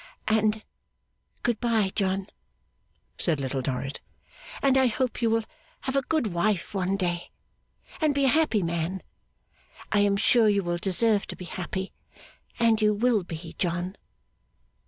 'And good bye, John,' said Little Dorrit. 'And I hope you will have a good wife one day, and be a happy man. I am sure you will deserve to be happy, and you will be, John.